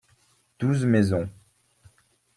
Douze maisons.